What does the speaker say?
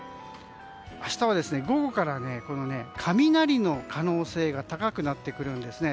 明日は午後から雷の可能性が高くなってくるんですね。